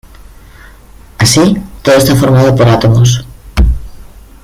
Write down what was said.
Así, todo está formado por átomos.